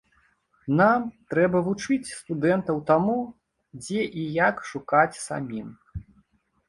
Нам трэба вучыць студэнтаў таму, дзе і як шукаць самім.